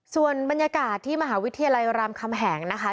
ส่วนบรรยากาศที่มหาวิทยาลัยรามคำแหงนะคะ